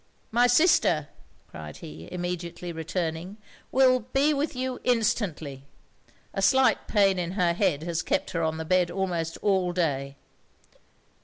'My sister,' cried he, immediately returning, 'will be with you instantly; a slight pain in her head has kept her on the bed almost all day.